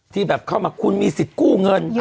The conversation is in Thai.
ที่แบบเข้ามาคุณมีสิทธิ์กู้เงิน